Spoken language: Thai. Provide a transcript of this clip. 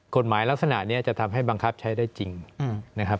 ลักษณะนี้จะทำให้บังคับใช้ได้จริงนะครับ